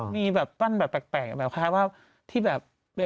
มีแบบปั้นแบบแปลกแบบคล้ายว่าที่แบบ